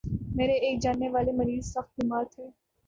میرے ایک جاننے والے مریض سخت بیمار تھے